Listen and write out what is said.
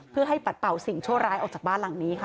เพื่อให้ปัดเป่าสิ่งชั่วร้ายออกจากบ้านหลังนี้ค่ะ